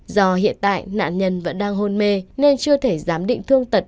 do hiện tại nạn nhân vẫn đang hôn mê nên chưa thể giám định thương tật